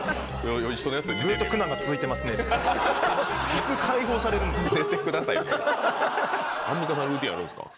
いつ解放されるんかな。